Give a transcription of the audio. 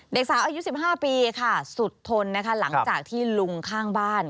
เด็กสาวอายุ๑๕ปีค่ะสุดทนนะคะหลังจากที่ลุงข้างบ้าน